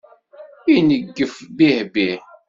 Ineggef bih-bih.